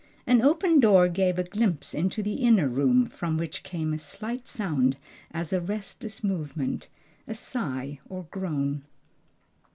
An open door gave a glimpse into an inner room, from which came a slight sound as of a restless movement, a sigh or groan.